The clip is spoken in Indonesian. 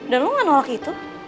dan lo gak nolak itu